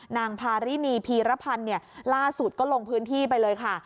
นางพารินีพีรพันธ์ล่าสุดก็ลงพื้นที่ไปเลยค่ะ